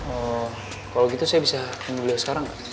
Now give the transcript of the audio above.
oh kalau gitu saya bisa pindah ke beliau sekarang gak